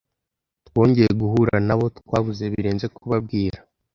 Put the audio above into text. Twongeye guhura nabo, twabuze birenze kubabwira,